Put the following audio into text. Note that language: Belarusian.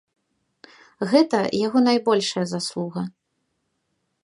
Гэта яго найбольшая заслуга.